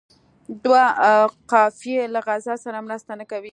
دوه قافیې له غزل سره مرسته نه کوي.